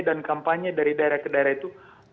dan kampanye dari daerah ke daerah itu